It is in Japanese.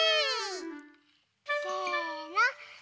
せの。